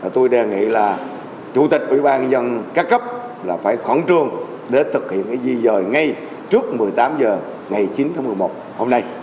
tôi đề nghị là chủ tịch ủy ban nhân dân các cấp là phải khẩn trương để thực hiện di rời ngay trước một mươi tám giờ ngày chín tháng một mươi một hôm nay